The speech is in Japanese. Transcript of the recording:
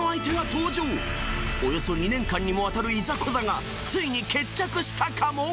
およそ２年間にもわたるいざこざがついに決着したかも！？